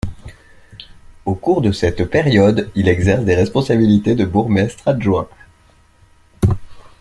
Au cours de cette période, il exerce des responsabilités de bourgmestre adjoint.